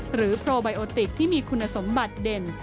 โพลไบโอติกที่มีคุณสมบัติเด่น